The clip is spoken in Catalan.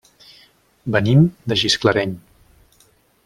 Venim de Gisclareny.